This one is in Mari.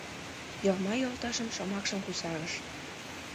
Йорма йолташын шомакшым кусарыш: